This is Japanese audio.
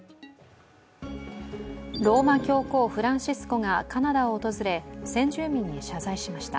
ローマ教皇フランシスコがカナダを訪れ先住民に謝罪しました。